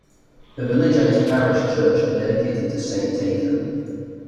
The village and its parish church are dedicated to Saint Tathan.